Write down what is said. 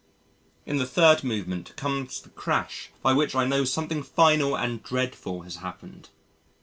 In the Third Movement comes the crash by which I know something final and dreadful has happened.